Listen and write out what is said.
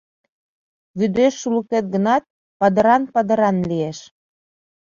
Вӱдеш шулыктет гынат, падыран-падыран лиеш.